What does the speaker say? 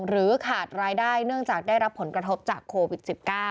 หรือขาดรายได้เนื่องจากได้รับผลกระทบจากโควิด๑๙